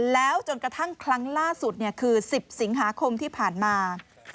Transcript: แล้วจนกระทั่งครั้งล่าสุดคือ๑๐สิงหาคมที่ผ่านมา